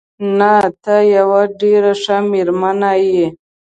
نه، ته یوه ډېره ښه مېرمن یې.